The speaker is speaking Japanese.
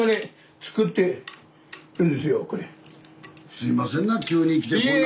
すいませんな急に来てこんな。